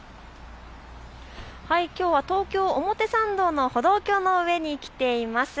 きょうは東京表参道の歩道橋の上に来ています。